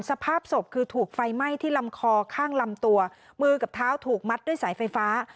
สภาพศพคือถูกไฟไหม้ที่ลำคอข้างลำตัวมือกับเท้าถูกมัดด้วยสายไฟฟ้า